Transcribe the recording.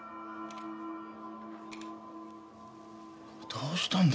どうしたんだ？